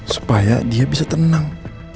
supaya dia bisa tenang